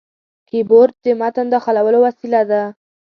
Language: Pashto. کیبورډ د متن داخلولو وسیله ده.